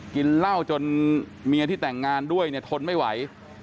กินเหล้าจนเมียที่แต่งงานด้วยเนี่ยทนไม่ไหว